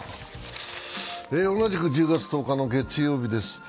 同じく１０月１０日月曜日です。